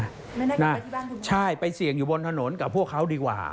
ไม่น่ากลับไปที่บ้านถูกไหมใช่ไปเสี่ยงอยู่บนถนนกับพวกเขาดีกว่า